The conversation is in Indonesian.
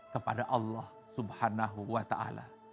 kepada allah subhanahu wa ta'ala